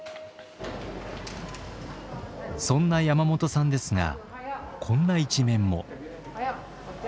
そんな山本さんですがこんな一面も。